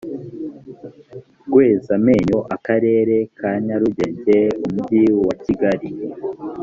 rwezamenyo akarere ka nyarugenge umujyi wa kigali